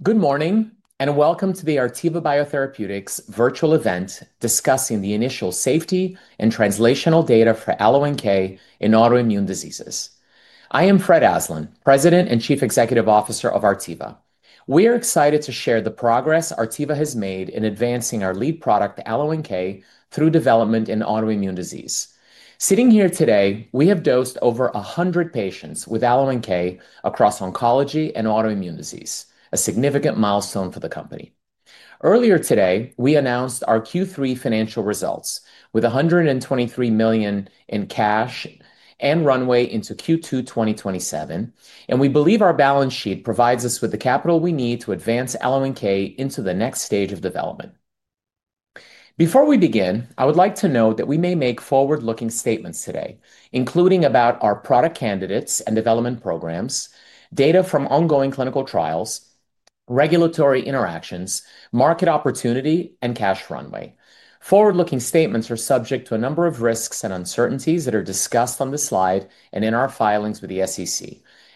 Good morning and welcome to the Artiva Biotherapeutics virtual event discussing the initial safety and translational data for AlloNK in autoimmune diseases. I am Fred Aslan, President and Chief Executive Officer of Artiva. We are excited to share the progress Artiva has made in advancing our lead product, AlloNK, through development in autoimmune disease. Sitting here today, we have dosed over 100 patients with AlloNK across oncology and autoimmune disease, a significant milestone for the company. Earlier today, we announced our Q3 financial results with $123 million in cash and runway into Q2 2027, and we believe our balance sheet provides us with the capital we need to advance AlloNK into the next stage of development. Before we begin, I would like to note that we may make forward-looking statements today, including about our product candidates and development programs, data from ongoing clinical trials, regulatory interactions, market opportunity, and cash runway. Forward-looking statements are subject to a number of risks and uncertainties that are discussed on this slide and in our filings with the SEC.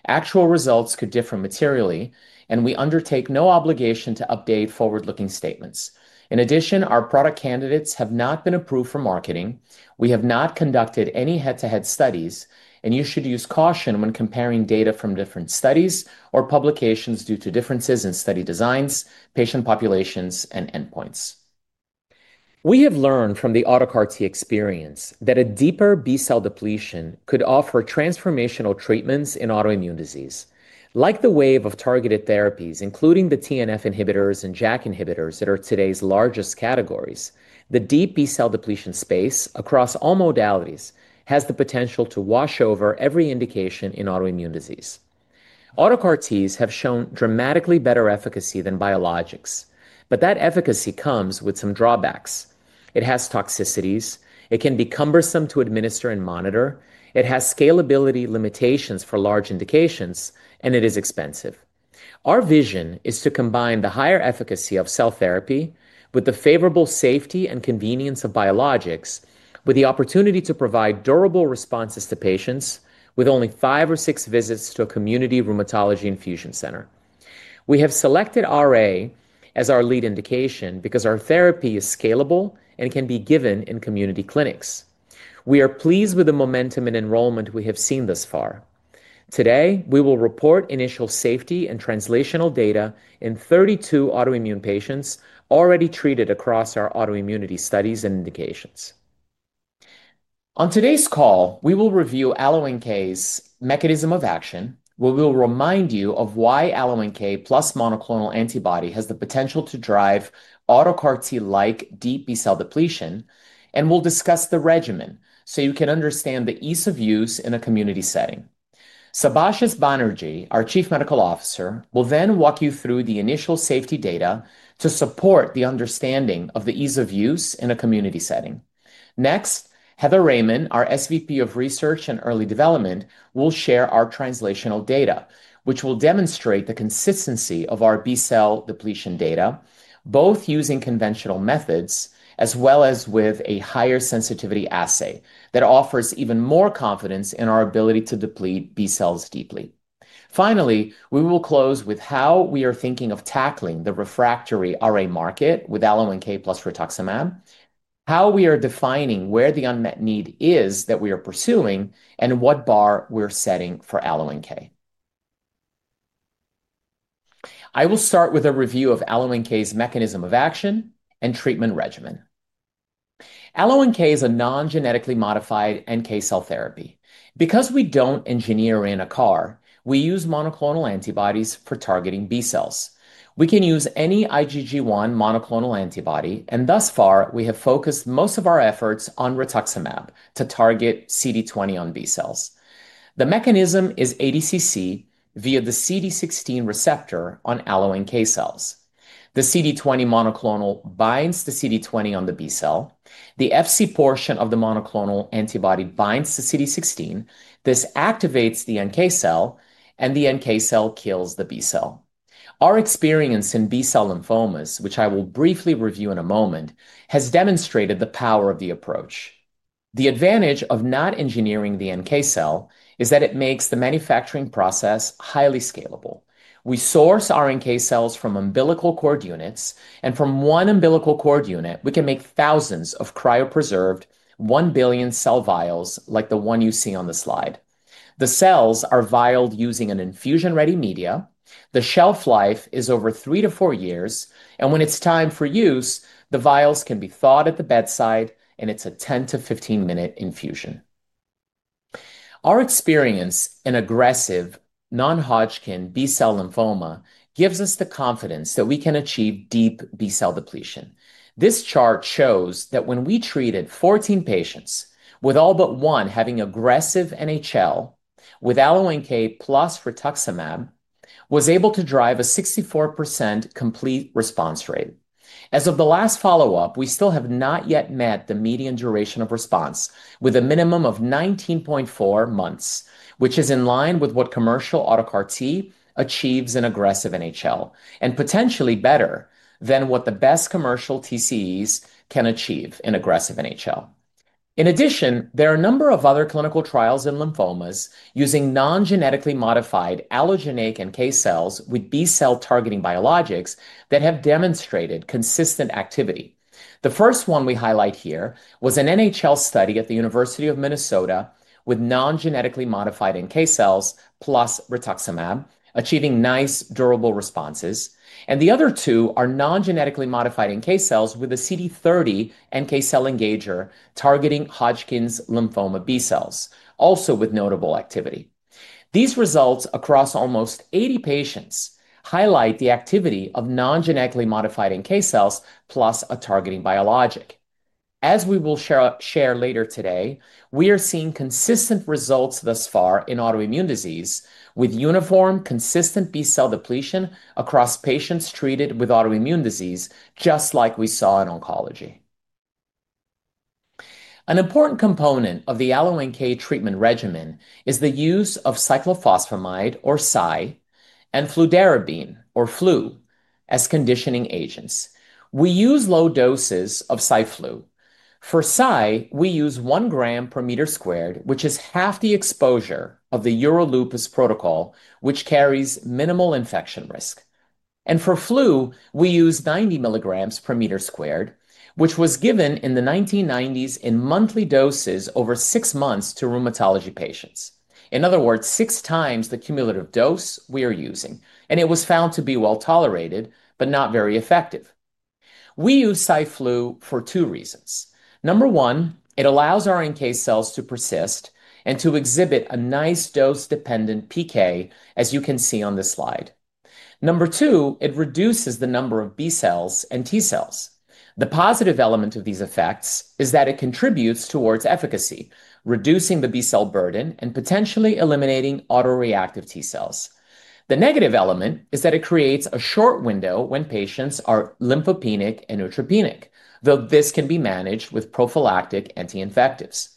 Actual results could differ materially, and we undertake no obligation to update forward-looking statements. In addition, our product candidates have not been approved for marketing, we have not conducted any head-to-head studies, and you should use caution when comparing data from different studies or publications due to differences in study designs, patient populations, and endpoints. We have learned from the Auto-CAR-T experience that a deeper B-cell depletion could offer transformational treatments in autoimmune disease. Like the wave of targeted therapies, including the TNF inhibitors and JAK inhibitors that are today's largest categories, the deep B-cell depletion space across all modalities has the potential to wash over every indication in autoimmune disease. Auto-CAR-Ts have shown dramatically better efficacy than biologics, but that efficacy comes with some drawbacks. It has toxicities, it can be cumbersome to administer and monitor, it has scalability limitations for large indications, and it is expensive. Our vision is to combine the higher efficacy of cell therapy with the favorable safety and convenience of biologics, with the opportunity to provide durable responses to patients with only five or six visits to a community rheumatology infusion center. We have selected RA as our lead indication because our therapy is scalable and can be given in community clinics. We are pleased with the momentum and enrollment we have seen thus far. Today, we will report initial safety and translational data in 32 autoimmune patients already treated across our autoimmunity studies and indications. On today's call, we will review AlloNK's mechanism of action, we will remind you of why AlloNK plus monoclonal antibody has the potential to drive Auto-CAR-T-like deep B-cell depletion, and we'll discuss the regimen so you can understand the ease of use in a community setting. Subhashis Banerjee, our Chief Medical Officer, will then walk you through the initial safety data to support the understanding of the ease of use in a community setting. Next, Heather Raymon, our SVP of Research and Early Development, will share our translational data, which will demonstrate the consistency of our B-cell depletion data, both using conventional methods as well as with a higher sensitivity assay that offers even more confidence in our ability to deplete B-cells deeply. Finally, we will close with how we are thinking of tackling the refractory RA market with AlloNK plus rituximab, how we are defining where the unmet need is that we are pursuing, and what bar we're setting for AlloNK. I will start with a review of AlloNK's mechanism of action and treatment regimen. AlloNK is a non-genetically modified NK cell therapy. Because we don't engineer in a CAR, we use monoclonal antibodies for targeting B-cells. We can use any IgG1 monoclonal antibody, and thus far, we have focused most of our efforts on rituximab to target CD20 on B-cells. The mechanism is ADCC via the CD16 receptor on AlloNK cells. The CD20 monoclonal binds to CD20 on the B-cell, the Fc portion of the monoclonal antibody binds to CD16, this activates the NK cell, and the NK cell kills the B-cell. Our experience in B-cell lymphomas, which I will briefly review in a moment, has demonstrated the power of the approach. The advantage of not engineering the NK cell is that it makes the manufacturing process highly scalable. We source our NK cells from umbilical cord units, and from one umbilical cord unit, we can make thousands of cryopreserved one billion cell vials like the one you see on the slide. The cells are vialed using an infusion-ready media, the shelf life is over three to four years, and when it's time for use, the vials can be thawed at the bedside in its 10 minute-15 minute infusion. Our experience in aggressive non-Hodgkin B-cell lymphoma gives us the confidence that we can achieve deep B-cell depletion. This chart shows that when we treated 14 patients with all but one having aggressive NHL with AlloNK plus rituximab, we were able to drive a 64% complete response rate. As of the last follow-up, we still have not yet met the median duration of response with a minimum of 19.4 months, which is in line with what commercial Auto-CAR-T achieves in aggressive NHL, and potentially better than what the best commercial TCEs can achieve in aggressive NHL. In addition, there are a number of other clinical trials in lymphomas using non-genetically modified allogeneic NK cells with B-cell targeting biologics that have demonstrated consistent activity. The first one we highlight here was an NHL study at the University of Minnesota with non-genetically modified NK cells plus rituximab, achieving nice durable responses, and the other two are non-genetically modified NK cells with a CD30 NK cell engager targeting Hodgkin's lymphoma B-cells, also with notable activity. These results across almost 80 patients highlight the activity of non-genetically modified NK cells plus a targeting biologic. As we will share later today, we are seeing consistent results thus far in autoimmune disease with uniform consistent B-cell depletion across patients treated with autoimmune disease, just like we saw in oncology. An important component of the AlloNK treatment regimen is the use of cyclophosphamide or CY and fludarabine or flu as conditioning agents. We use low doses of CYFLU. For CY, we use 1 gram per meter squared, which is half the exposure of the urolupus protocol, which carries minimal infection risk. For flu, we use 90 milligrams per meter squared, which was given in the 1990s in monthly doses over six months to rheumatology patients. In other words, six times the cumulative dose we are using, and it was found to be well tolerated but not very effective. We use CYFLU for two reasons. Number one, it allows our NK cells to persist and to exhibit a nice dose-dependent PK, as you can see on this slide. Number two, it reduces the number of B-cells and T-cells. The positive element of these effects is that it contributes towards efficacy, reducing the B-cell burden and potentially eliminating autoreactive T-cells. The negative element is that it creates a short window when patients are lymphopenic and neutropenic, though this can be managed with prophylactic anti-infectives.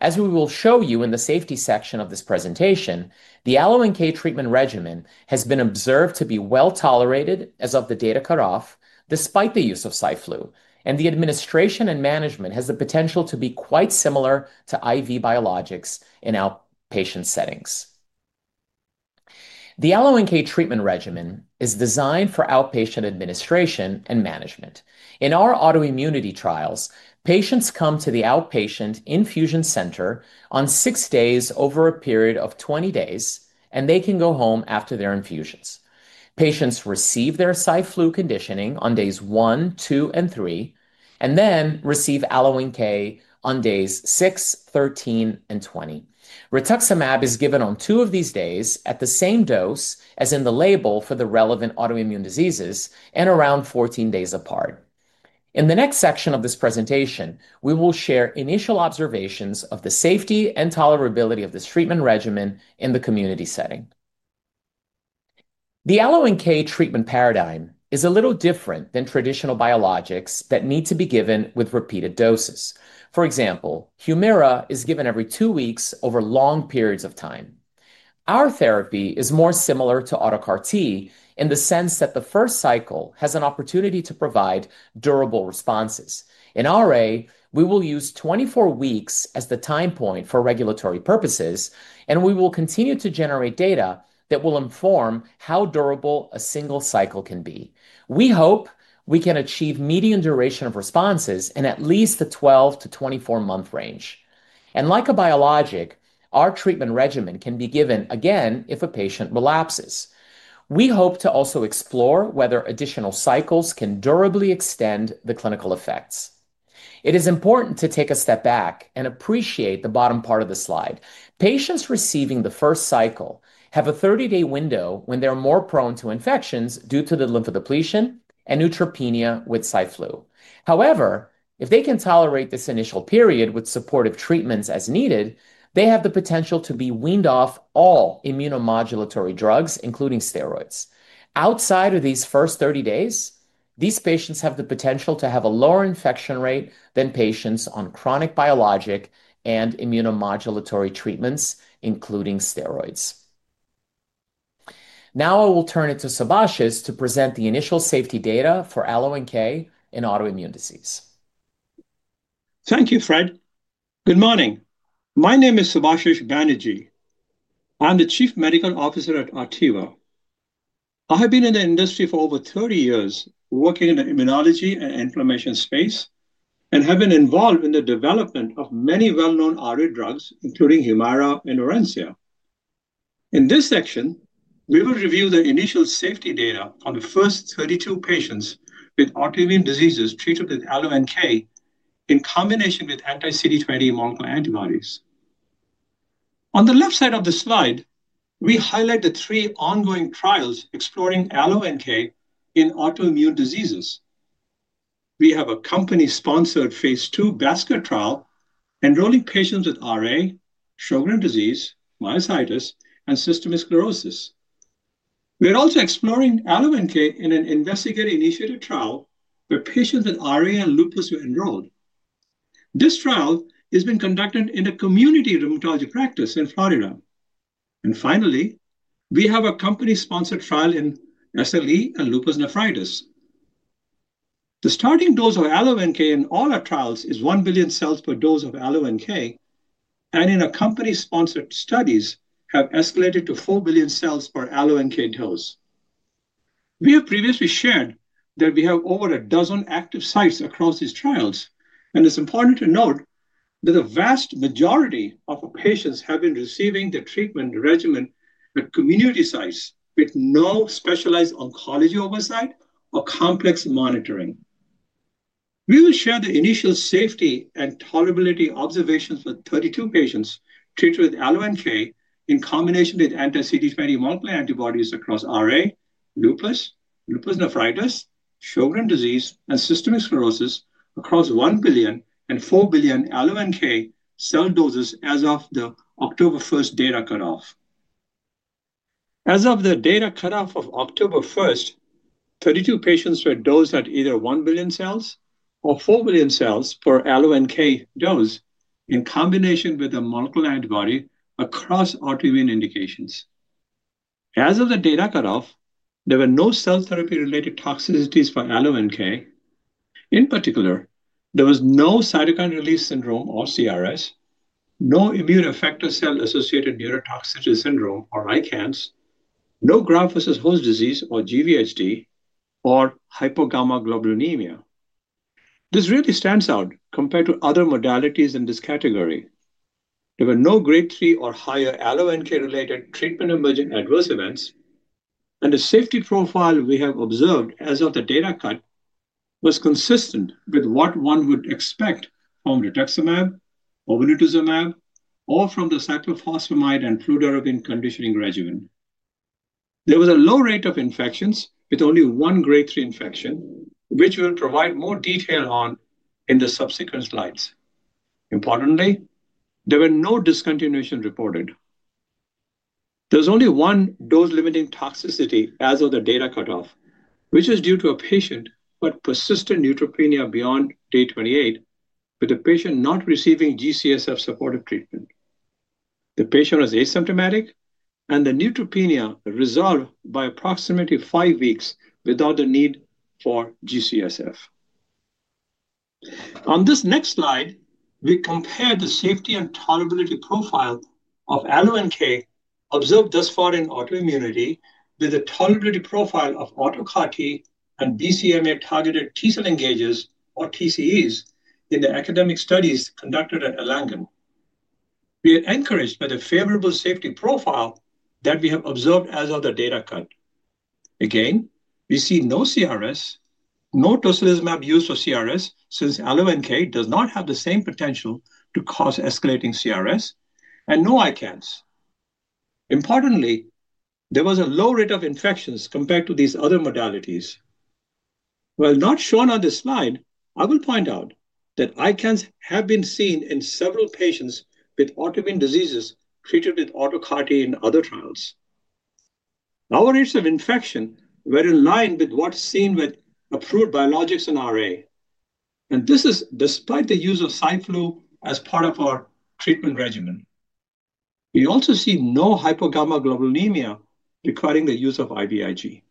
As we will show you in the safety section of this presentation, the AlloNK treatment regimen has been observed to be well tolerated as of the data cut off, despite the use of CYFLU, and the administration and management has the potential to be quite similar to IV biologics in outpatient settings. The AlloNK treatment regimen is designed for outpatient administration and management. In our autoimmunity trials, patients come to the outpatient infusion center on six days over a period of 20 days, and they can go home after their infusions. Patients receive their CYFLU conditioning on days one, two, and three, and then receive AlloNK on days six, thirteen, and twenty. Rituximab is given on two of these days at the same dose as in the label for the relevant autoimmune diseases and around 14 days apart. In the next section of this presentation, we will share initial observations of the safety and tolerability of this treatment regimen in the community setting. The AlloNK treatment paradigm is a little different than traditional biologics that need to be given with repeated doses. For example, Humira is given every two weeks over long periods of time. Our therapy is more similar to Auto-CAR-T in the sense that the first cycle has an opportunity to provide durable responses. In RA, we will use 24 weeks as the time point for regulatory purposes, and we will continue to generate data that will inform how durable a single cycle can be. We hope we can achieve median duration of responses in at least the 12-24 month range. Like a biologic, our treatment regimen can be given again if a patient relapses. We hope to also explore whether additional cycles can durably extend the clinical effects. It is important to take a step back and appreciate the bottom part of the slide. Patients receiving the first cycle have a 30-day window when they're more prone to infections due to the lymphodepletion and neutropenia with CYFLU. However, if they can tolerate this initial period with supportive treatments as needed, they have the potential to be weaned off all immunomodulatory drugs, including steroids. Outside of these first 30 days, these patients have the potential to have a lower infection rate than patients on chronic biologic and immunomodulatory treatments, including steroids. Now I will turn it to Subhashis to present the initial safety data for AlloNK in autoimmune disease. Thank you, Fred. Good morning. My name is Subhashis Banerjee. I'm the Chief Medical Officer at Artiva. I have been in the industry for over 30 years working in the immunology and inflammation space and have been involved in the development of many well-known RA drugs, including Humira and Orencia. In this section, we will review the initial safety data on the first 32 patients with autoimmune diseases treated with AlloNK in combination with anti-CD20 monoclonal antibodies. On the left side of the slide, we highlight the three ongoing trials exploring AlloNK in autoimmune diseases. We have a company-sponsored phase II BASCA trial enrolling patients with RA, Sjogren's disease, myositis, and cystic fibrosis. We are also exploring AlloNK in an investigator-initiated trial where patients with RA and lupus were enrolled. This trial has been conducted in a community rheumatology practice in Florida. Finally, we have a company-sponsored trial in SLE and lupus nephritis. The starting dose of AlloNK in all our trials is one billion cells per dose of AlloNK, and in our company-sponsored studies, it has escalated to four billion cells per AlloNK dose. We have previously shared that we have over a dozen active sites across these trials, and it's important to note that the vast majority of patients have been receiving the treatment regimen at community sites with no specialized oncology oversight or complex monitoring. We will share the initial safety and tolerability observations for 32 patients treated with AlloNK in combination with anti-CD20 monoclonal antibodies across RA, lupus, lupus nephritis, Sjogren's disease, and cystic fibrosis across 1 billion and 4 billion AlloNK cell doses as of the October 1 data cut off. As of the data cut off of October 1, 32 patients were dosed at either 1 billion cells or 4 billion cells per AlloNK dose in combination with a monoclonal antibody across autoimmune indications. As of the data cut off, there were no cell therapy-related toxicities for AlloNK. In particular, there was no cytokine release syndrome or CRS, no immune effector cell-associated neurotoxicity syndrome or ICANS, no graft-versus-host disease or GVHD, or hypogammaglobulinemia. This really stands out compared to other modalities in this category. There were no grade three or higher AlloNK-related treatment-emergent adverse events, and the safety profile we have observed as of the data cut was consistent with what one would expect from rituximab, obinutuzumab, or from the cyclophosphamide and fludarabine conditioning regimen. There was a low rate of infections with only one grade three infection, which we'll provide more detail on in the subsequent slides. Importantly, there were no discontinuations reported. There was only one dose-limiting toxicity as of the data cut off, which was due to a patient with persistent neutropenia beyond day 28, with the patient not receiving GCSF supportive treatment. The patient was asymptomatic, and the neutropenia resolved by approximately five weeks without the need for GCSF. On this next slide, we compare the safety and tolerability profile of AlloNK observed thus far in autoimmunity with the tolerability profile of Auto-CAR-T and BCMA-targeted T-cell engagers or TCEs in the academic studies conducted at Erlangen. We are encouraged by the favorable safety profile that we have observed as of the data cut. Again, we see no CRS, no tocilizumab use for CRS since AlloNK does not have the same potential to cause escalating CRS, and no ICANS. Importantly, there was a low rate of infections compared to these other modalities. While not shown on this slide, I will point out that ICANS have been seen in several patients with autoimmune diseases treated with Auto-CAR-T in other trials. Our rates of infection were in line with what's seen with approved biologics in RA, and this is despite the use of CYFLU as part of our treatment regimen. We also see no hypogammaglobulinemia requiring the use of IVIG.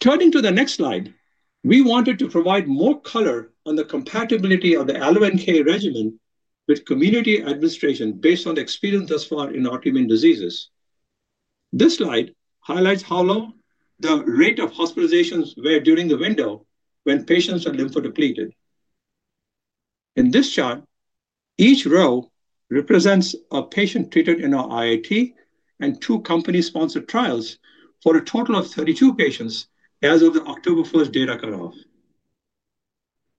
Turning to the next slide, we wanted to provide more color on the compatibility of the AlloNK regimen with community administration based on the experience thus far in autoimmune diseases. This slide highlights how low the rate of hospitalizations were during the window when patients are lymphodepleted. In this chart, each row represents a patient treated in our IIT and two company-sponsored trials for a total of 32 patients as of the October 1st data cut off.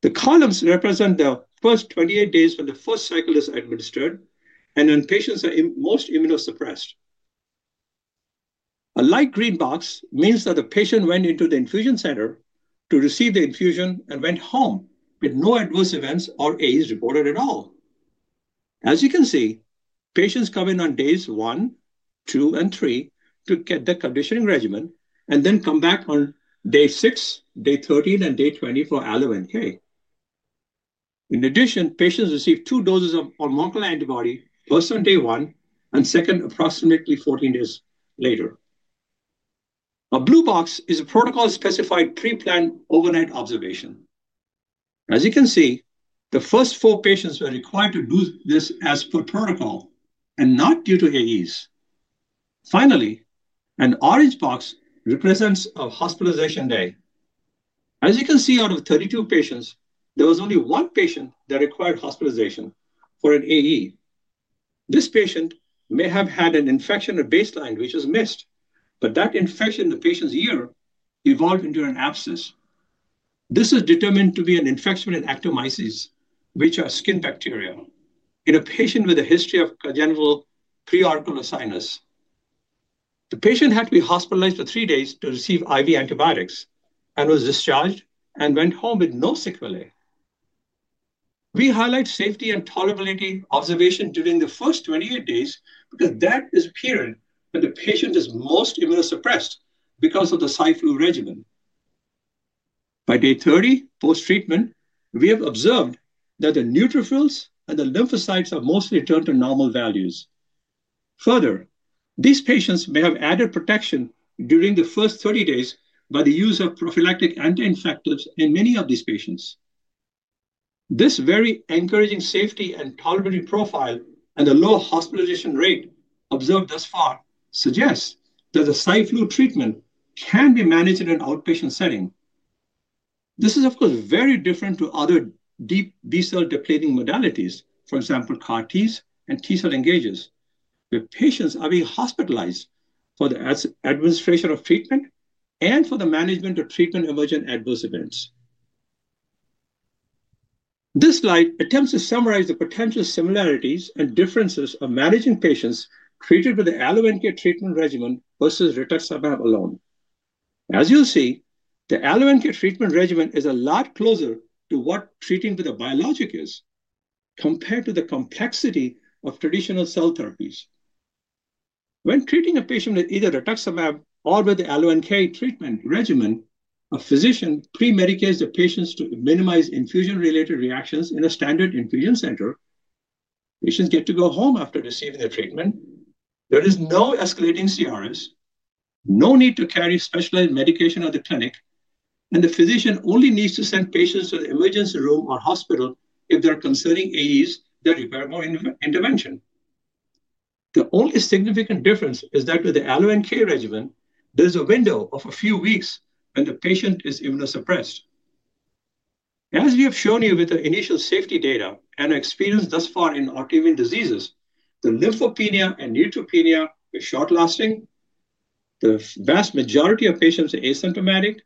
The columns represent the first 28 days when the first cycle is administered and when patients are most immunosuppressed. A light green box means that the patient went into the infusion center to receive the infusion and went home with no adverse events or AEs reported at all. As you can see, patients come in on days one, two, and three to get the conditioning regimen and then come back on day six, day 13, and day 20 for AlloNK. In addition, patients received two doses of our monoclonal antibody, first on day one and second approximately 14 days later. A blue box is a protocol-specified pre-planned overnight observation. As you can see, the first four patients were required to do this as per protocol and not due to AEs. Finally, an orange box represents a hospitalization day. As you can see, out of 32 patients, there was only one patient that required hospitalization for an AE. This patient may have had an infection at baseline, which was missed, but that infection in the patient's ear evolved into an abscess. This is determined to be an infection with actinomyces, which are skin bacteria, in a patient with a history of congenital preauricular sinus. The patient had to be hospitalized for three days to receive IV antibiotics and was discharged and went home with no sequelae. We highlight safety and tolerability observation during the first 28 days because that is the period when the patient is most immunosuppressed because of the CYFLU regimen. By day 30 post-treatment, we have observed that the neutrophils and the lymphocytes are mostly returned to normal values. Further, these patients may have added protection during the first 30 days by the use of prophylactic anti-infectives in many of these patients. This very encouraging safety and tolerability profile and the low hospitalization rate observed thus far suggests that the CYFLU treatment can be managed in an outpatient setting. This is, of course, very different from other deep B-cell depleting modalities, for example, CAR-Ts and T-cell engagers, where patients are being hospitalized for the administration of treatment and for the management of treatment-emergent adverse events. This slide attempts to summarize the potential similarities and differences of managing patients treated with the AlloNK treatment regimen versus rituximab alone. As you'll see, the AlloNK treatment regimen is a lot closer to what treating with a biologic is compared to the complexity of traditional cell therapies. When treating a patient with either rituximab or with the AlloNK treatment regimen, a physician pre-medicates the patients to minimize infusion-related reactions in a standard infusion center. Patients get to go home after receiving the treatment. There is no escalating CRS, no need to carry specialized medication at the clinic, and the physician only needs to send patients to the emergency room or hospital if there are concerning AEs that require more intervention. The only significant difference is that with the AlloNK regimen, there is a window of a few weeks when the patient is immunosuppressed. As we have shown you with the initial safety data and experience thus far in autoimmune diseases, the lymphopenia and neutropenia were short-lasting. The vast majority of patients are asymptomatic,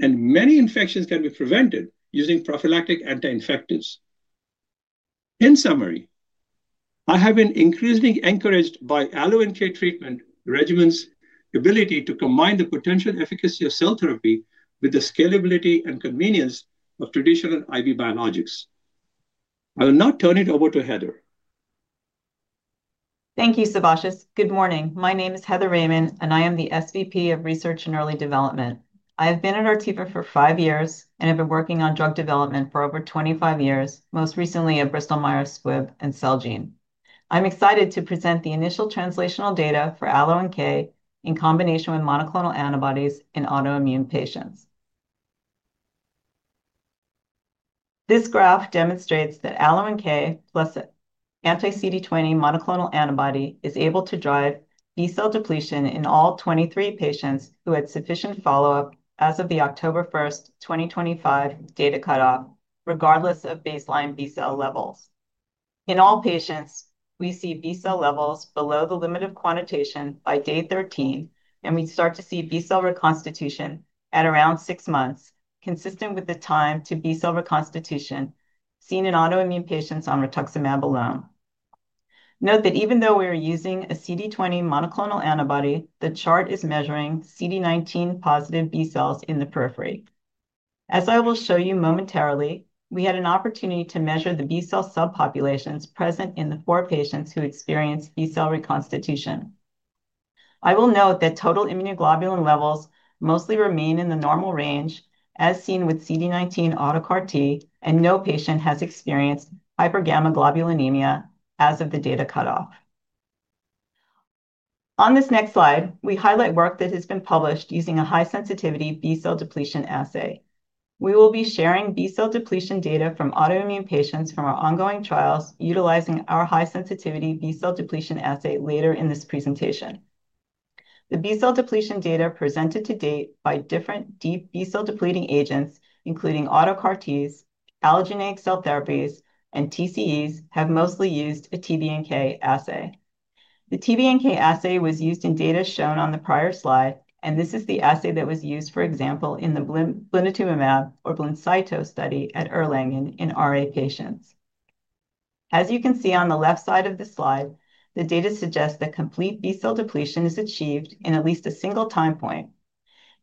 and many infections can be prevented using prophylactic anti-infectives. In summary, I have been increasingly encouraged by AlloNK treatment regimens' ability to combine the potential efficacy of cell therapy with the scalability and convenience of traditional IV biologics. I will now turn it over to Heather. Thank you, Subhashis. Good morning. My name is Heather Raymon, and I am the SVP of Research and Early Development. I have been at Artiva for five years and have been working on drug development for over 25 years, most recently at Bristol Myers Squibb and Celgene. I'm excited to present the initial translational data for AlloNK in combination with monoclonal antibodies in autoimmune patients. This graph demonstrates that AlloNK plus anti-CD20 monoclonal antibody is able to drive B-cell depletion in all 23 patients who had sufficient follow-up as of the October 1st, 2025 data cut-off, regardless of baseline B-cell levels. In all patients, we see B-cell levels below the limit of quantitation by day 13, and we start to see B-cell reconstitution at around six months, consistent with the time to B-cell reconstitution seen in autoimmune patients on rituximab alone. Note that even though we were using a CD20 monoclonal antibody, the chart is measuring CD19-positive B-cells in the periphery. As I will show you momentarily, we had an opportunity to measure the B-cell subpopulations present in the four patients who experienced B-cell reconstitution. I will note that total immunoglobulin levels mostly remain in the normal range, as seen with CD19 Auto-CAR-T, and no patient has experienced hypergammaglobulinemia as of the data cut-off. On this next slide, we highlight work that has been published using a high-sensitivity B-cell depletion assay. We will be sharing B-cell depletion data from autoimmune patients from our ongoing trials utilizing our high-sensitivity B-cell depletion assay later in this presentation. The B-cell depletion data presented to date by different deep B-cell depleting agents, including Auto-CAR-Ts, allogeneic cell therapies, and TCEs, have mostly used a TBNK assay. The TBNK assay was used in data shown on the prior slide, and this is the assay that was used, for example, in the Blinatumomab or Blincyto study at Erlangen in RA patients. As you can see on the left side of the slide, the data suggests that complete B-cell depletion is achieved in at least a single time point.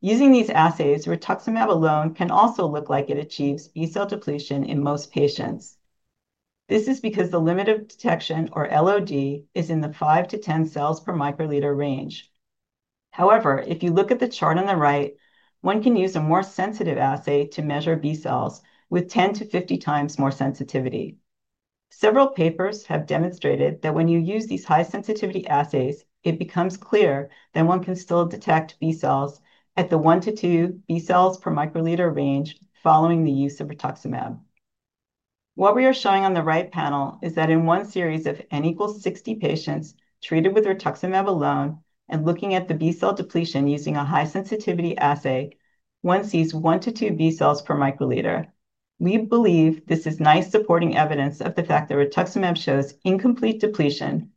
Using these assays, Rituximab alone can also look like it achieves B-cell depletion in most patients. This is because the limit of detection, or LOD, is in the five to 10 cells per microliter range. However, if you look at the chart on the right, one can use a more sensitive assay to measure B-cells with 10-50 times more sensitivity. Several papers have demonstrated that when you use these high-sensitivity assays, it becomes clear that one can still detect B-cells at the one to two B-cells per microliter range following the use of rituximab. What we are showing on the right panel is that in one series of N equals 60 patients treated with rituximab alone and looking at the B-cell depletion using a high-sensitivity assay, one sees one to two B-cells per microliter. We believe this is nice supporting evidence of the fact that rituximab shows incomplete depletion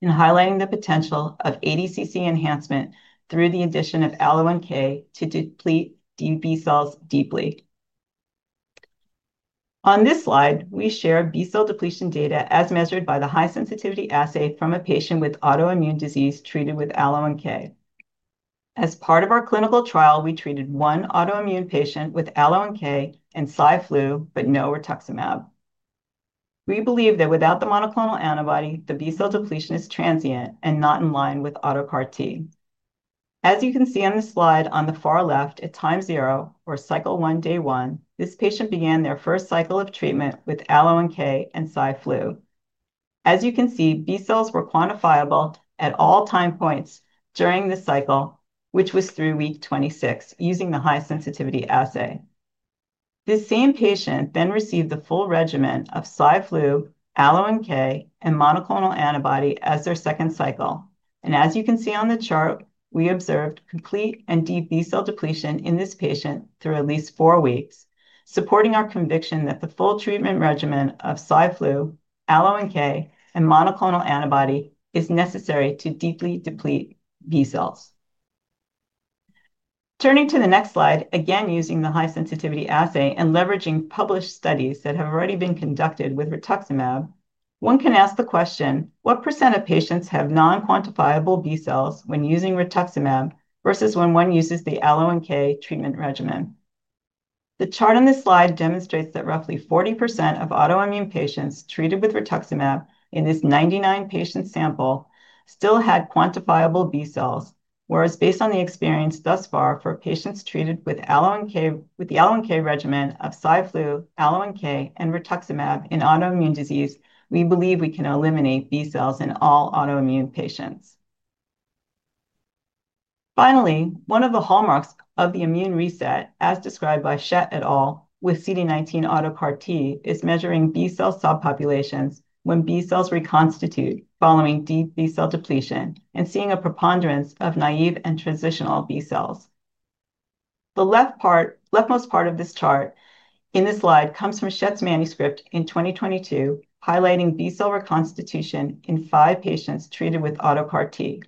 in highlighting the potential of ADCC enhancement through the addition of AlloNK to deplete deep B-cells deeply. On this slide, we share B-cell depletion data as measured by the high-sensitivity assay from a patient with autoimmune disease treated with AlloNK. As part of our clinical trial, we treated one autoimmune patient with AlloNK and CYFLU, but no rituximab. We believe that without the monoclonal antibody, the B-cell depletion is transient and not in line with Auto-CAR-T. As you can see on the slide on the far left at time zero, or cycle one, day one, this patient began their first cycle of treatment with AlloNK and CYFLU. As you can see, B-cells were quantifiable at all time points during the cycle, which was through week 26 using the high-sensitivity assay. This same patient then received the full regimen of CYFLU, AlloNK, and monoclonal antibody as their second cycle. As you can see on the chart, we observed complete and deep B-cell depletion in this patient through at least four weeks, supporting our conviction that the full treatment regimen of CYFLU, AlloNK, and monoclonal antibody is necessary to deeply deplete B-cells. Turning to the next slide, again using the high-sensitivity assay and leveraging published studies that have already been conducted with rituximab, one can ask the question, what percent of patients have non-quantifiable B-cells when using rituximab versus when one uses the AlloNK treatment regimen? The chart on this slide demonstrates that roughly 40% of autoimmune patients treated with rituximab in this 99-patient sample still had quantifiable B-cells, whereas based on the experience thus far for patients treated with the AlloNK regimen of CYFLU, AlloNK, and rituximab in autoimmune disease, we believe we can eliminate B-cells in all autoimmune patients. Finally, one of the hallmarks of the immune reset, as described by Shet et al. with CD19 Auto-CAR-T, is measuring B-cell subpopulations when B-cells reconstitute following deep B-cell depletion and seeing a preponderance of naive and transitional B-cells. The left part, leftmost part of this chart in this slide comes from Shet's manuscript in 2022, highlighting B-cell reconstitution in five patients treated with Auto-CAR-T.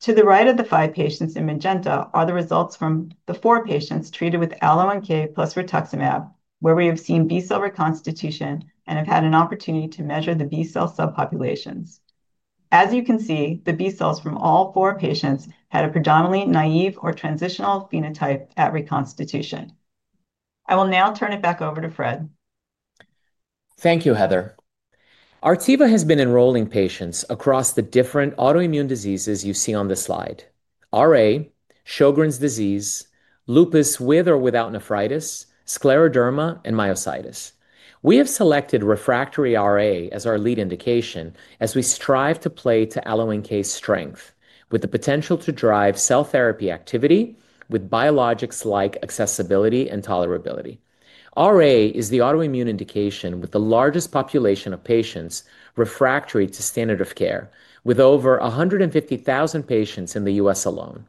To the right of the five patients in magenta are the results from the four patients treated with AlloNK plus rituximab, where we have seen B-cell reconstitution and have had an opportunity to measure the B-cell subpopulations. As you can see, the B-cells from all four patients had a predominantly naive or transitional phenotype at reconstitution. I will now turn it back over to Fred. Thank you, Heather. Artiva has been enrolling patients across the different autoimmune diseases you see on the slide: RA, Sjogren's disease, lupus with or without nephritis, scleroderma, and myositis. We have selected refractory RA as our lead indication as we strive to play to AlloNK's strength with the potential to drive cell therapy activity with biologics-like accessibility and tolerability. RA is the autoimmune indication with the largest population of patients refractory to standard of care, with over 150,000 patients in the U.S. alone.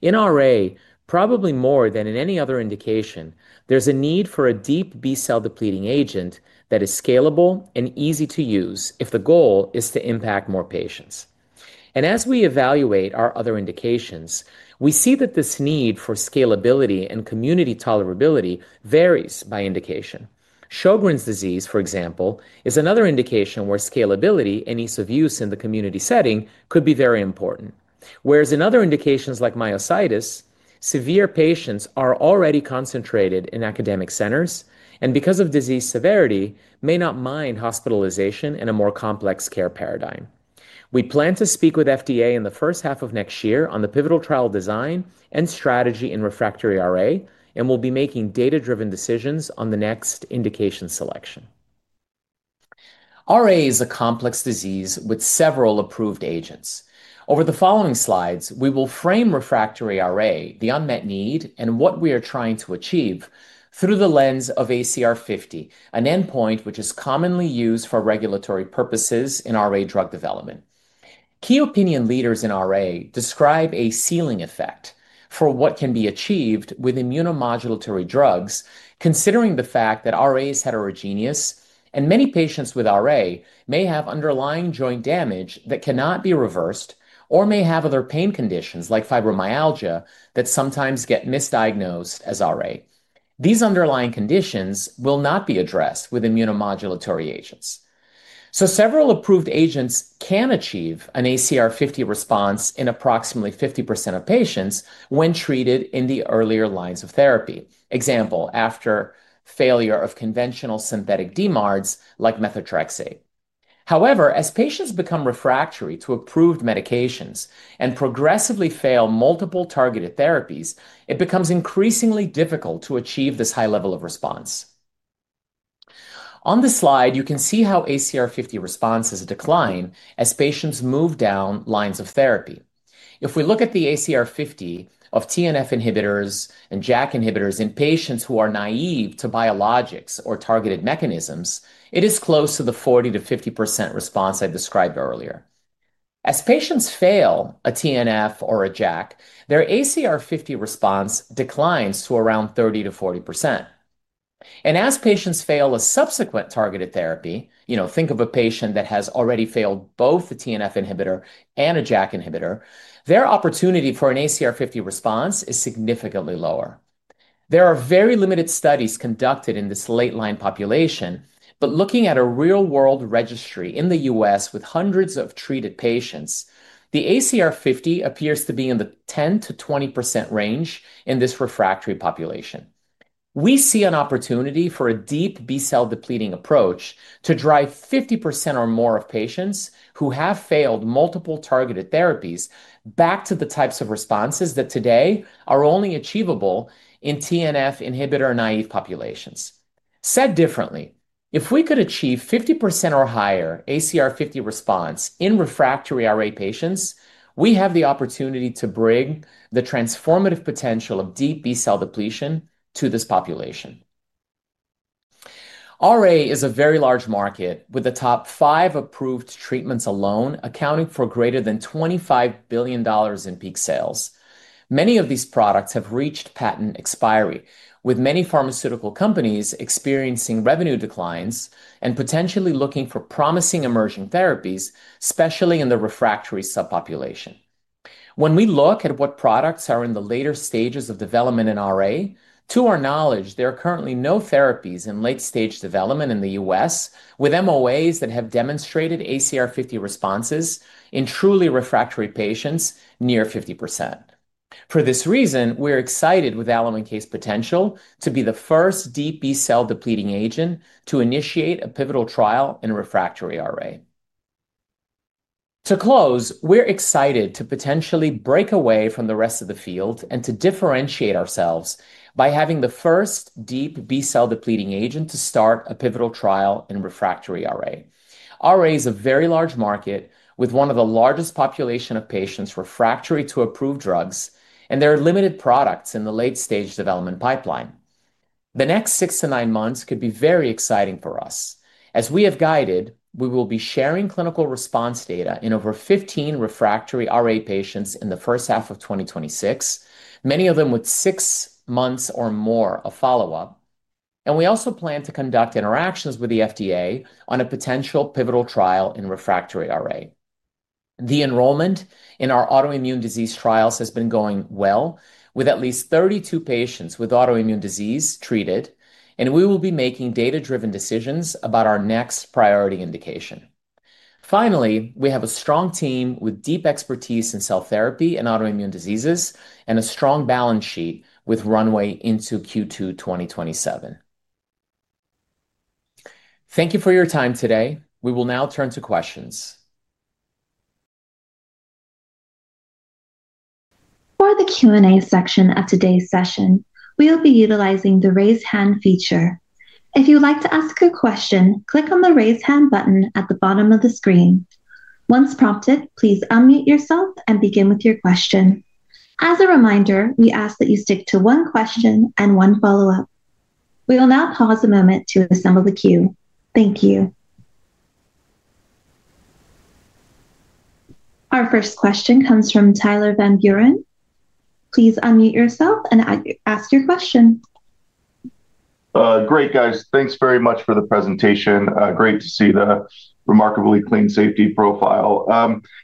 In RA, probably more than in any other indication, there's a need for a deep B-cell depleting agent that is scalable and easy to use if the goal is to impact more patients. As we evaluate our other indications, we see that this need for scalability and community tolerability varies by indication. Sjogren's disease, for example, is another indication where scalability and ease of use in the community setting could be very important, whereas in other indications like myositis, severe patients are already concentrated in academic centers and because of disease severity may not mind hospitalization in a more complex care paradigm. We plan to speak with FDA in the first half of next year on the pivotal trial design and strategy in refractory RA, and we'll be making data-driven decisions on the next indication selection. RA is a complex disease with several approved agents. Over the following slides, we will frame refractory RA, the unmet need, and what we are trying to achieve through the lens of ACR 50, an endpoint which is commonly used for regulatory purposes in RA drug development. Key opinion leaders in RA describe a ceiling effect for what can be achieved with immunomodulatory drugs, considering the fact that RA is heterogeneous and many patients with RA may have underlying joint damage that cannot be reversed or may have other pain conditions like fibromyalgia that sometimes get misdiagnosed as RA. These underlying conditions will not be addressed with immunomodulatory agents. Several approved agents can achieve an ACR 50 response in approximately 50% of patients when treated in the earlier lines of therapy, for example, after failure of conventional synthetic DMARDs like methotrexate. However, as patients become refractory to approved medications and progressively fail multiple targeted therapies, it becomes increasingly difficult to achieve this high level of response. On the slide, you can see how ACR 50 response is declining as patients move down lines of therapy. If we look at the ACR 50 of TNF inhibitors and JAK inhibitors in patients who are naive to biologics or targeted mechanisms, it is close to the 40%-50% response I described earlier. As patients fail a TNF or a JAK, their ACR 50 response declines to around 30%-40%. As patients fail a subsequent targeted therapy, you know, think of a patient that has already failed both a TNF inhibitor and a JAK inhibitor, their opportunity for an ACR 50 response is significantly lower. There are very limited studies conducted in this late-line population, but looking at a real-world registry in the U.S. with hundreds of treated patients, the ACR 50 appears to be in the 10%-20% range in this refractory population. We see an opportunity for a deep B-cell depleting approach to drive 50% or more of patients who have failed multiple targeted therapies back to the types of responses that today are only achievable in TNF inhibitor naive populations. Said differently, if we could achieve 50% or higher ACR 50 response in refractory RA patients, we have the opportunity to bring the transformative potential of deep B-cell depletion to this population. RA is a very large market with the top five approved treatments alone accounting for greater than $25 billion in peak sales. Many of these products have reached patent expiry, with many pharmaceutical companies experiencing revenue declines and potentially looking for promising emerging therapies, especially in the refractory subpopulation. When we look at what products are in the later stages of development in RA, to our knowledge, there are currently no therapies in late-stage development in the U.S. with MOAs that have demonstrated ACR 50 responses in truly refractory patients, near 50%. For this reason, we're excited with AlloNK's potential to be the first deep B-cell depleting agent to initiate a pivotal trial in refractory RA. To close, we're excited to potentially break away from the rest of the field and to differentiate ourselves by having the first deep B-cell depleting agent to start a pivotal trial in refractory RA. RA is a very large market with one of the largest populations of patients refractory to approved drugs, and there are limited products in the late-stage development pipeline. The next six to nine months could be very exciting for us. As we have guided, we will be sharing clinical response data in over 15 refractory RA patients in the first half of 2026, many of them with six months or more of follow-up. We also plan to conduct interactions with the FDA on a potential pivotal trial in refractory RA. The enrollment in our autoimmune disease trials has been going well with at least 32 patients with autoimmune disease treated, and we will be making data-driven decisions about our next priority indication. Finally, we have a strong team with deep expertise in cell therapy and autoimmune diseases and a strong balance sheet with runway into Q2 2027. Thank you for your time today. We will now turn to questions. For the Q&A section of today's session, we'll be utilizing the raise hand feature. If you'd like to ask a question, click on the raise hand button at the bottom of the screen. Once prompted, please unmute yourself and begin with your question. As a reminder, we ask that you stick to one question and one follow-up. We will now pause a moment to assemble the queue. Thank you. Our first question comes from Tyler Van Buren. Please unmute yourself and ask your question. Great, guys. Thanks very much for the presentation. Great to see the remarkably clean safety profile.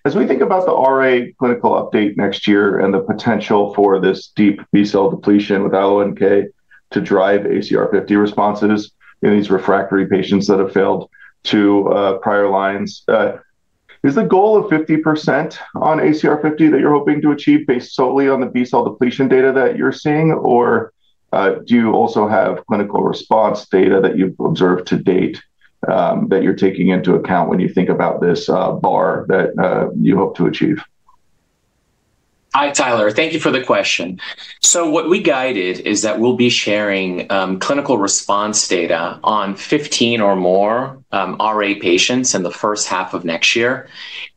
As we think about the RA clinical update next year and the potential for this deep B-cell depletion with AlloNK to drive ACR 50 responses in these refractory patients that have failed two prior lines, is the goal of 50% on ACR 50 that you're hoping to achieve based solely on the B-cell depletion data that you're seeing, or do you also have clinical response data that you've observed to date that you're taking into account when you think about this bar that you hope to achieve? Hi, Tyler. Thank you for the question. What we guided is that we'll be sharing clinical response data on 15 or more RA patients in the first half of next year.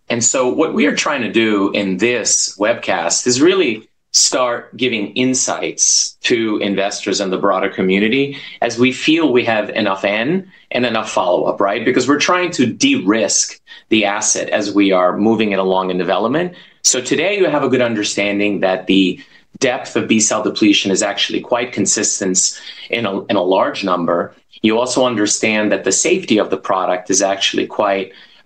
What we are trying to do in this webcast is really start giving insights to investors and the broader community as we feel we have enough in and enough follow-up, right? We are trying to de-risk the asset as we are moving it along in development. Today, you have a good understanding that the depth of B-cell depletion is actually quite consistent in a large number. You also understand that the safety of the product is actually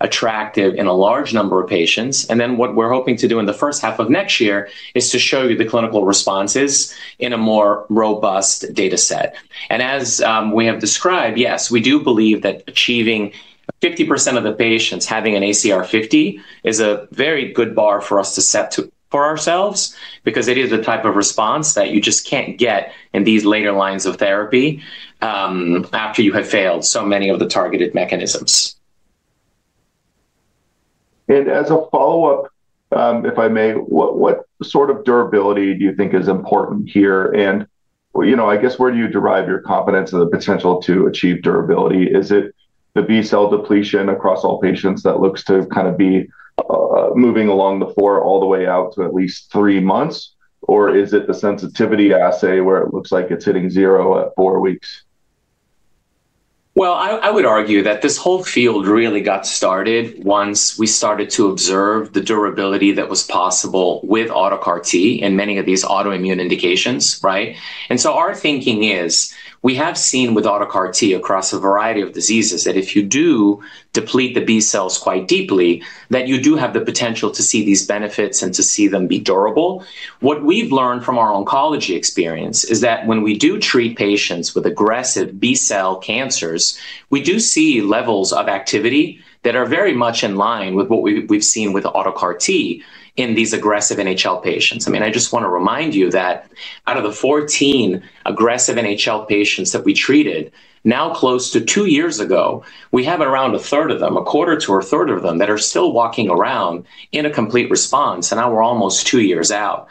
quite attractive in a large number of patients. What we are hoping to do in the first half of next year is to show you the clinical responses in a more robust data set. As we have described, yes, we do believe that achieving 50% of the patients having an ACR 50 is a very good bar for us to set for ourselves because it is the type of response that you just can't get in these later lines of therapy after you have failed so many of the targeted mechanisms. As a follow-up, if I may, what sort of durability do you think is important here? I guess where do you derive your confidence in the potential to achieve durability? Is it the B-cell depletion across all patients that looks to kind of be moving along the floor all the way out to at least three months, or is it the sensitivity assay where it looks like it's hitting zero at four weeks? I would argue that this whole field really got started once we started to observe the durability that was possible with Auto-CAR-T in many of these autoimmune indications, right? Our thinking is we have seen with Auto-CAR-T across a variety of diseases that if you do deplete the B-cells quite deeply, you do have the potential to see these benefits and to see them be durable. What we've learned from our oncology experience is that when we do treat patients with aggressive B-cell cancers, we do see levels of activity that are very much in line with what we've seen with Auto-CAR-T in these aggressive NHL patients. I mean, I just want to remind you that out of the 14 aggressive NHL patients that we treated, now close to two years ago, we have around a third of them, a quarter to a third of them that are still walking around in a complete response, and now we're almost two years out.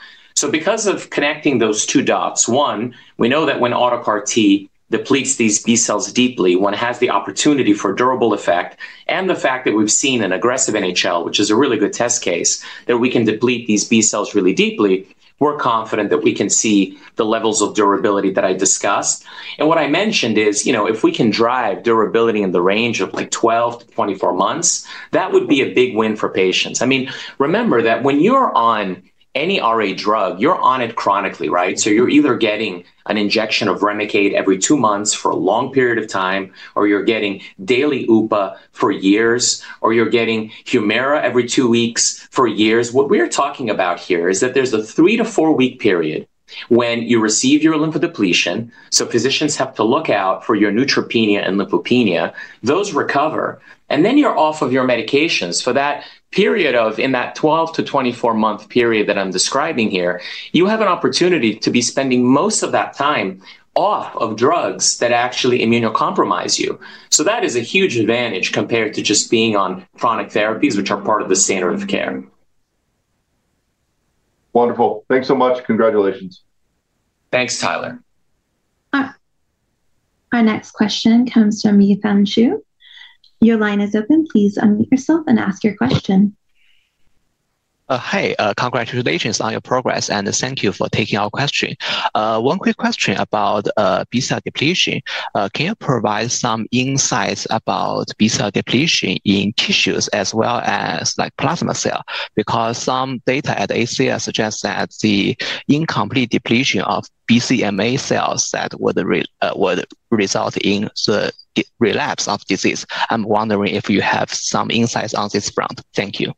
Because of connecting those two dots, one, we know that when Auto-CAR-T depletes these B-cells deeply, one has the opportunity for durable effect, and the fact that we've seen in aggressive NHL, which is a really good test case, that we can deplete these B-cells really deeply, we're confident that we can see the levels of durability that I discussed. What I mentioned is, you know, if we can drive durability in the range of like 12 months-24 months, that would be a big win for patients. I mean, remember that when you're on any RA drug, you're on it chronically, right? You're either getting an injection of Remicade every two months for a long period of time, or you're getting daily OOPA for years, or you're getting Humira every two weeks for years. What we are talking about here is that there's a three- to four-week period when you receive your lymphodepletion, so physicians have to look out for your neutropenia and lymphopenia, those recover, and then you're off of your medications. For that period of, in that 12- to 24-month period that I'm describing here, you have an opportunity to be spending most of that time off of drugs that actually immunocompromise you. That is a huge advantage compared to just being on chronic therapies, which are part of the standard of care. Wonderful. Thanks so much. Congratulations. Thanks, Tyler. Our next question comes from Yifan Zhu. Your line is open. Please unmute yourself and ask your question. Hey, congratulations on your progress, and thank you for taking our question. One quick question about B-cell depletion. Can you provide some insights about B-cell depletion in tissues as well as like plasma cell? Because some data at ACL suggests that the incomplete depletion of BCMA cells that would result in the relapse of disease. I'm wondering if you have some insights on this front. Thank you.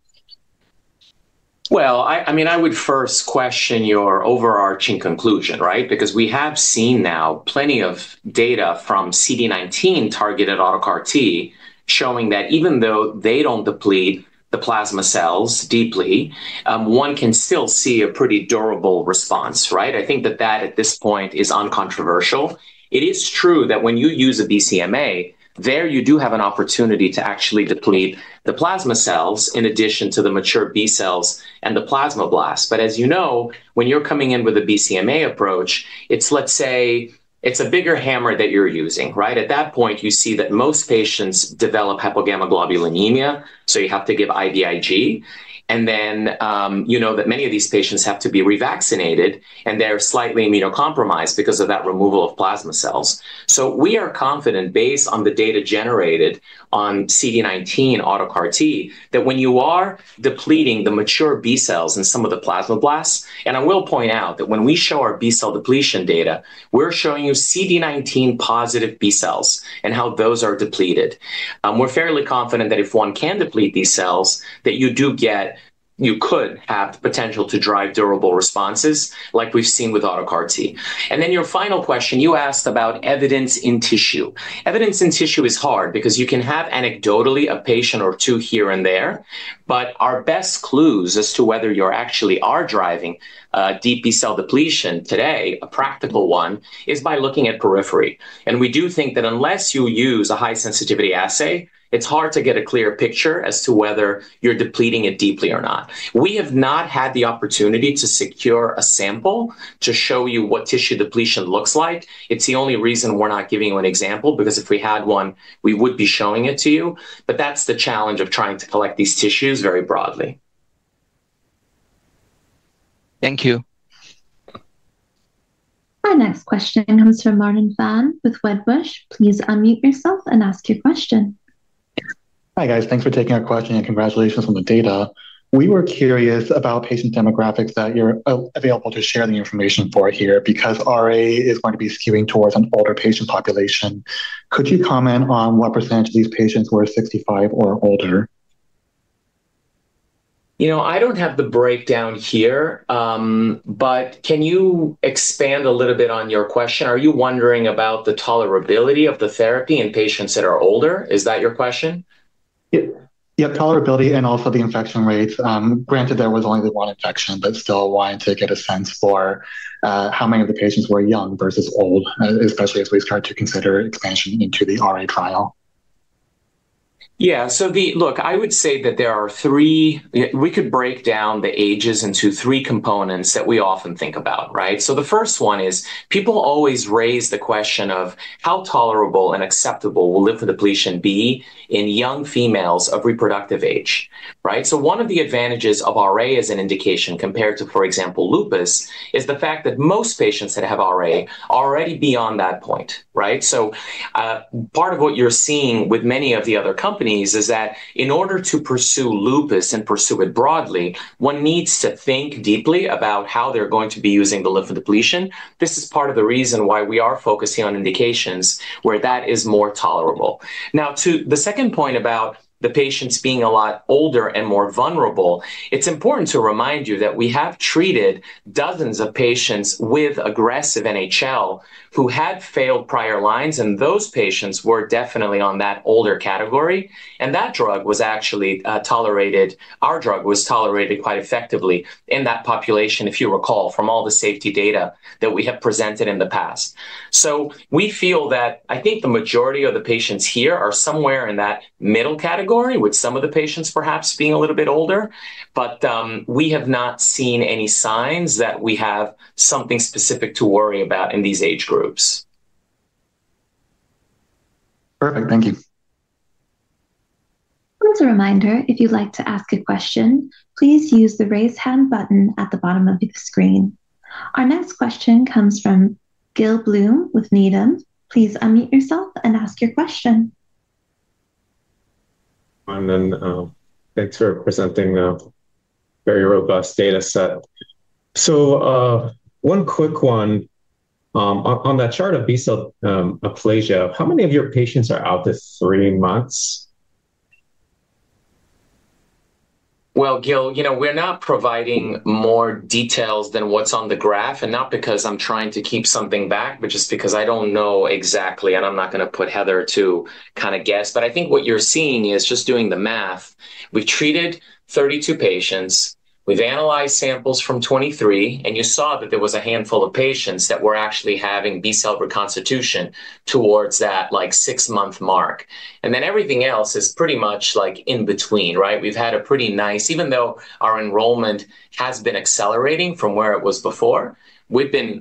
I mean, I would first question your overarching conclusion, right? Because we have seen now plenty of data from CD19 targeted Auto-CAR-T showing that even though they do not deplete the plasma cells deeply, one can still see a pretty durable response, right? I think that that at this point is uncontroversial. It is true that when you use a BCMA, there you do have an opportunity to actually deplete the plasma cells in addition to the mature B-cells and the plasma blasts. As you know, when you're coming in with a BCMA approach, it's, let's say, it's a bigger hammer that you're using, right? At that point, you see that most patients develop hypogammaglobulinemia, so you have to give IVIG, and then you know that many of these patients have to be revaccinated, and they're slightly immunocompromised because of that removal of plasma cells. We are confident, based on the data generated on CD19-auto-CAR-T, that when you are depleting the mature B-cells and some of the plasma blasts, and I will point out that when we show our B-cell depletion data, we're showing you CD19 positive B-cells and how those are depleted. We're fairly confident that if one can deplete these cells, that you do get, you could have the potential to drive durable responses like we've seen with Auto-CAR-T. Your final question, you asked about evidence in tissue. Evidence in tissue is hard because you can have anecdotally a patient or two here and there, but our best clues as to whether you actually are driving deep B-cell depletion today, a practical one, is by looking at periphery. We do think that unless you use a high-sensitivity assay, it's hard to get a clear picture as to whether you're depleting it deeply or not. We have not had the opportunity to secure a sample to show you what tissue depletion looks like. It's the only reason we're not giving you an example because if we had one, we would be showing it to you, but that's the challenge of trying to collect these tissues very broadly. Thank you. Our next question comes from Martin Fan with Wedbush. Please unmute yourself and ask your question. Hi guys, thanks for taking our question and congratulations on the data. We were curious about patient demographics that you're available to share the information for here because RA is going to be skewing towards an older patient population. Could you comment on what % of these patients were 65 or older? You know, I don't have the breakdown here, but can you expand a little bit on your question? Are you wondering about the tolerability of the therapy in patients that are older? Is that your question? Yeah, tolerability and also the infection rates. Granted, there was only the one infection, but still wanting to get a sense for how many of the patients were young versus old, especially as we start to consider expansion into the RA trial. Yeah, so look, I would say that there are three, we could break down the ages into three components that we often think about, right? The first one is people always raise the question of how tolerable and acceptable will lymphodepletion be in young females of reproductive age, right? One of the advantages of RA as an indication compared to, for example, lupus is the fact that most patients that have RA are already beyond that point, right? Part of what you're seeing with many of the other companies is that in order to pursue lupus and pursue it broadly, one needs to think deeply about how they're going to be using the lymphodepletion. This is part of the reason why we are focusing on indications where that is more tolerable. Now, to the second point about the patients being a lot older and more vulnerable, it's important to remind you that we have treated dozens of patients with aggressive NHL who had failed prior lines, and those patients were definitely in that older category, and that drug was actually tolerated, our drug was tolerated quite effectively in that population, if you recall, from all the safety data that we have presented in the past. So we feel that I think the majority of the patients here are somewhere in that middle category, with some of the patients perhaps being a little bit older, but we have not seen any signs that we have something specific to worry about in these age groups. Perfect, thank you. As a reminder, if you'd like to ask a question, please use the raise hand button at the bottom of the screen. Our next question comes from Gil Bloom with Needham. Please unmute yourself and ask your question. Thanks for presenting a very robust data set. One quick one on that chart of B-cell aplasia, how many of your patients are out to three months? You know we're not providing more details than what's on the graph, and not because I'm trying to keep something back, but just because I don't know exactly, and I'm not going to put Heather to kind of guess, but I think what you're seeing is just doing the math. We've treated 32 patients, we've analyzed samples from 23, and you saw that there was a handful of patients that were actually having B-cell reconstitution towards that like six-month mark. Everything else is pretty much like in between, right? We've had a pretty nice, even though our enrollment has been accelerating from where it was before, we've been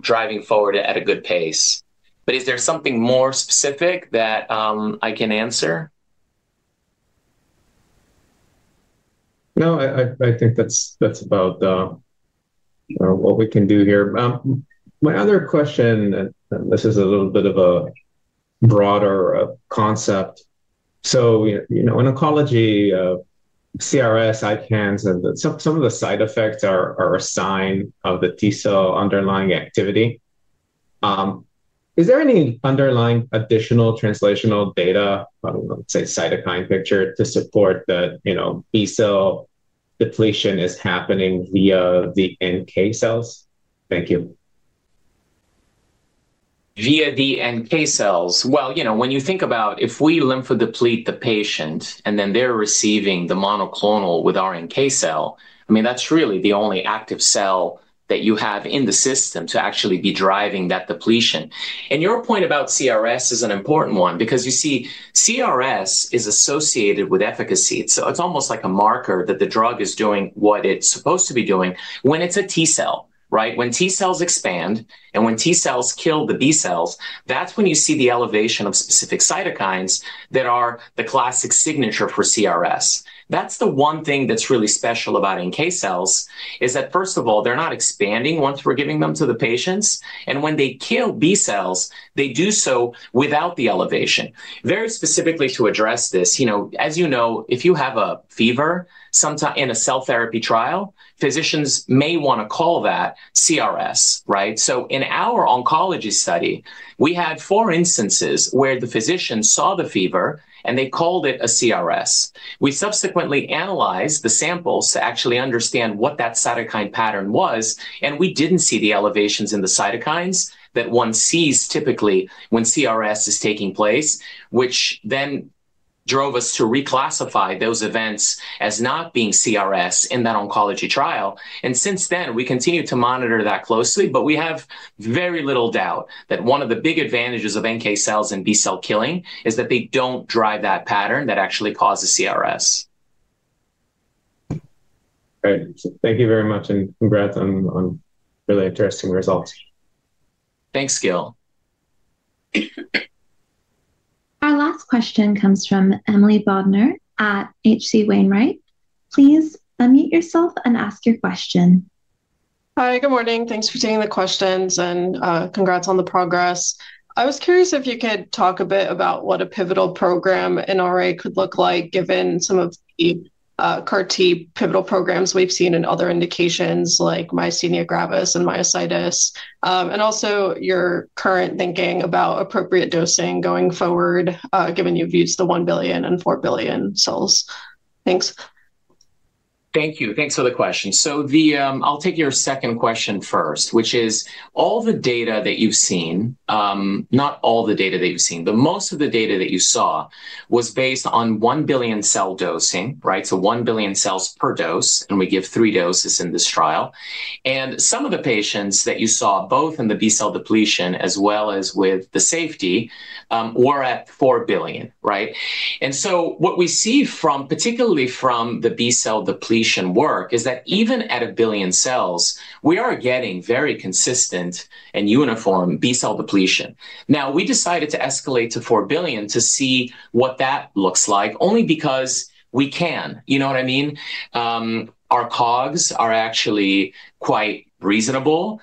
driving forward at a good pace. Is there something more specific that I can answer? No, I think that's about what we can do here. My other question, and this is a little bit of a broader concept. In oncology, CRS, ICANS, and some of the side effects are a sign of the T-cell underlying activity. Is there any underlying additional translational data, let's say cytokine picture, to support that B-cell depletion is happening via the NK cells? Thank you. Via the NK cells. You know, when you think about if we lymphodeplete the patient and then they're receiving the monoclonal with our NK cell, I mean, that's really the only active cell that you have in the system to actually be driving that depletion. Your point about CRS is an important one because you see CRS is associated with efficacy. It's almost like a marker that the drug is doing what it's supposed to be doing when it's a T-cell, right? When T-cells expand and when T-cells kill the B-cells, that's when you see the elevation of specific cytokines that are the classic signature for CRS. That's the one thing that's really special about NK cells is that, first of all, they're not expanding once we're giving them to the patients, and when they kill B-cells, they do so without the elevation. Very specifically to address this, you know, as you know, if you have a fever in a cell therapy trial, physicians may want to call that CRS, right? In our oncology study, we had four instances where the physician saw the fever and they called it a CRS. We subsequently analyzed the samples to actually understand what that cytokine pattern was, and we did not see the elevations in the cytokines that one sees typically when CRS is taking place, which then drove us to reclassify those events as not being CRS in that oncology trial. Since then, we continue to monitor that closely, but we have very little doubt that one of the big advantages of NK cells and B-cell killing is that they do not drive that pattern that actually causes CRS. Great, thank you very much and congrats on really interesting results. Thanks, Gil. Our last question comes from Emily Bodnar at H.C. Wainwright. Please unmute yourself and ask your question. Hi, good morning. Thanks for taking the questions and congrats on the progress. I was curious if you could talk a bit about what a pivotal program in RA could look like given some of the CAR-T pivotal programs we've seen in other indications like myasthenia gravis and myositis, and also your current thinking about appropriate dosing going forward, given you've used the one billion and four billion cells. Thanks. Thank you. Thanks for the question. I'll take your second question first, which is all the data that you've seen, not all the data that you've seen, but most of the data that you saw was based on 1 billion cell dosing, right? One billion cells per dose, and we give three doses in this trial. Some of the patients that you saw, both in the B-cell depletion as well as with the safety, were at four billion, right? What we see from, particularly from the B-cell depletion work, is that even at a billion cells, we are getting very consistent and uniform B-cell depletion. We decided to escalate to four billion to see what that looks like, only because we can, you know what I mean? Our COGS are actually quite reasonable.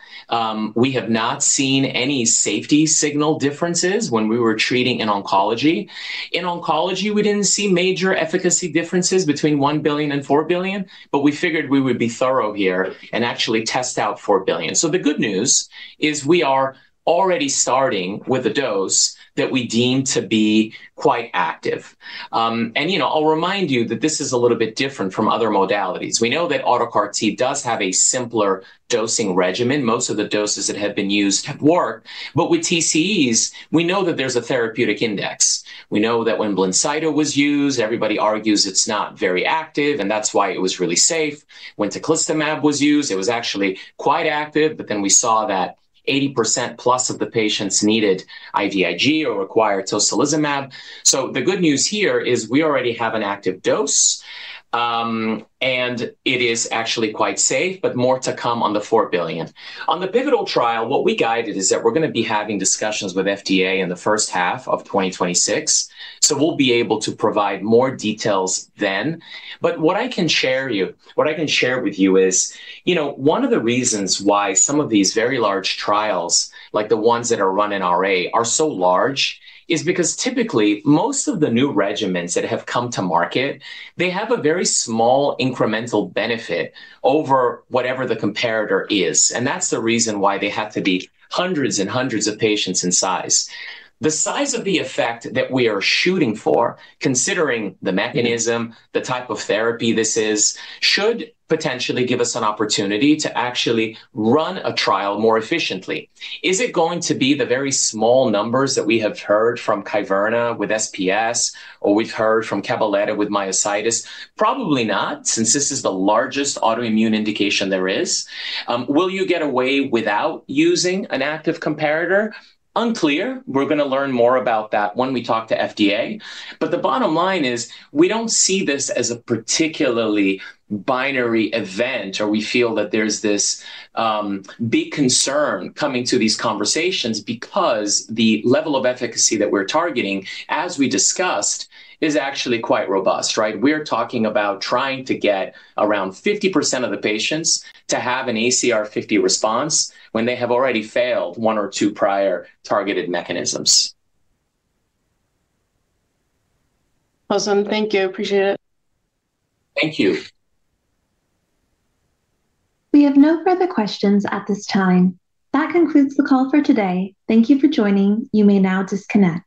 We have not seen any safety signal differences when we were treating in oncology. In oncology, we did not see major efficacy differences between one billion and four billion, but we figured we would be thorough here and actually test out four billion. The good news is we are already starting with a dose that we deem to be quite active. You know I will remind you that this is a little bit different from other modalities. We know that Auto-CAR-T does have a simpler dosing regimen. Most of the doses that have been used have worked, but with TCEs, we know that there's a therapeutic index. We know that when Blincyto was used, everybody argues it's not very active, and that's why it was really safe. When Teclistamab was used, it was actually quite active, but then we saw that 80%+ of the patients needed IVIG or required Tocilizumab. The good news here is we already have an active dose, and it is actually quite safe, but more to come on the four billion. On the pivotal trial, what we guided is that we're going to be having discussions with FDA in the first half of 2026, so we'll be able to provide more details then. What I can share with you is, you know, one of the reasons why some of these very large trials, like the ones that are run in RA, are so large is because typically most of the new regimens that have come to market, they have a very small incremental benefit over whatever the comparator is, and that's the reason why they have to be hundreds and hundreds of patients in size. The size of the effect that we are shooting for, considering the mechanism, the type of therapy this is, should potentially give us an opportunity to actually run a trial more efficiently. Is it going to be the very small numbers that we have heard from Kyverna with SPS, or we've heard from Cabaletta with myositis? Probably not, since this is the largest autoimmune indication there is. Will you get away without using an active comparator? Unclear. We're going to learn more about that when we talk to FDA. The bottom line is we do not see this as a particularly binary event, or we feel that there is this big concern coming to these conversations because the level of efficacy that we are targeting, as we discussed, is actually quite robust, right? We are talking about trying to get around 50% of the patients to have an ACR 50 response when they have already failed one or two prior targeted mechanisms. Awesome, thank you. Appreciate it. Thank you. We have no further questions at this time. That concludes the call for today. Thank you for joining. You may now disconnect.